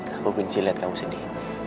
aku benci liat kamu sedih